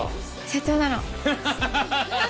社長なの？